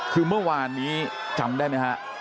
คือเมื่อวานนี้จำได้ไหมฮะ